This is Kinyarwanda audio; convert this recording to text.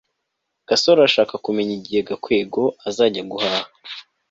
gasore arashaka kumenya igihe gakwego azajya guhaha